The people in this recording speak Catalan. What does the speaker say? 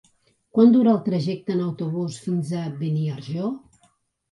Quant dura el trajecte en autobús fins a Beniarjó?